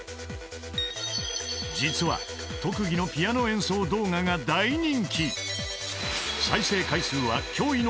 ［実は特技のピアノ演奏動画が大人気］